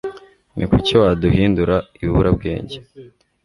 ni kuki waduhindura ibiburabwenge